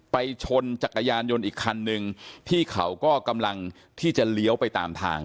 ชนจักรยานยนต์อีกคันหนึ่งที่เขาก็กำลังที่จะเลี้ยวไปตามทาง